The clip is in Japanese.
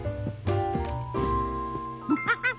フハハハ。